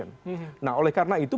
nah oleh karena itu